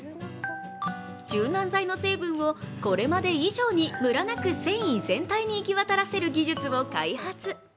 柔軟剤の成分をこれまで以上にムラなく繊維全体に行き渡らせる技術を開発。